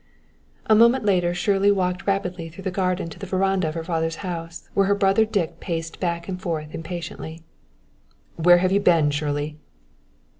A moment later Shirley walked rapidly through the garden to the veranda of her father's house, where her brother Dick paced back and forth impatiently. "Where have you been, Shirley?"